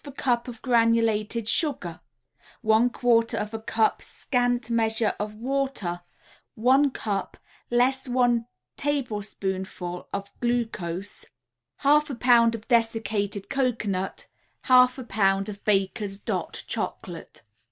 ] 2/3 a cup of granulated sugar, 1/4 a cup scant measure of water, One cup, less one tablespoonful, of glucose, 1/2 a pound of dessicated cocoanut, 1/2 a pound or Baker's "Dot" Chocolate.